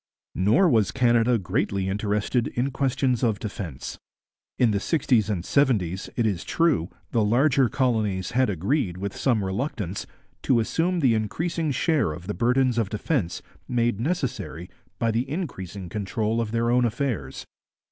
Nor was Canada greatly interested in questions of defence. In the sixties and seventies, it is true, the larger colonies had agreed, with some reluctance, to assume the increasing share of the burdens of defence made necessary by the increasing control of their own affairs.